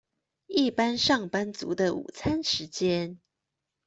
一般上班族的午餐時間